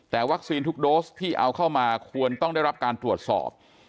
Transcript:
แต่วัคซีนทุกโดสที่เอาเข้ามาควรต้องได้รับการตรวจสอบ